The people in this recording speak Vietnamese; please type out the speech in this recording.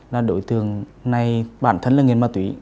là đối tượng này bản thân là nghiền ma tùy